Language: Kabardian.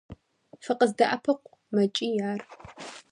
- ФыкъыздэӀэпыкъу! – мэкӀий ар.